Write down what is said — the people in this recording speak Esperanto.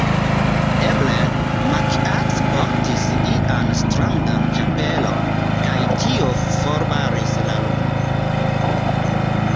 Eble, Maĥiac portis ian strangan ĉapelon, kaj tio forbaris la lumon.